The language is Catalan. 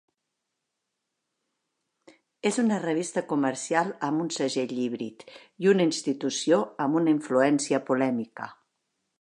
És una revista comercial amb un segell híbrid i una institució amb una influència polèmica.